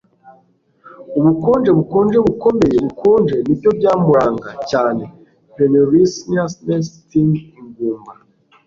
Ubukonje bukonje bukomeye bukonje nibyo byamuranga cyane penuriousness stingy ingumba